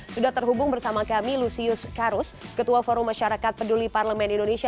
sudah terhubung bersama kami lusius karus ketua forum masyarakat peduli parlemen indonesia